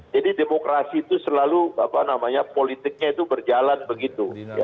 jadi demokrasi itu selalu apa namanya politiknya itu berjalan begitu